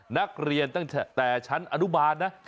นักเรียนตั้งแต่ชั้นอนุบาลนะ